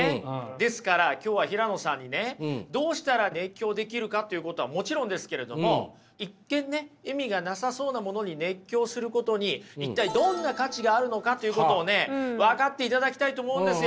ですから今日は平野さんにねどうしたら熱狂できるかということはもちろんですけれども一見ね意味がなさそうなものに熱狂することに一体どんな価値があるのかということを分かっていただきたいと思うんですよ。